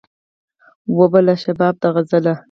وو به به لا شباب د غزل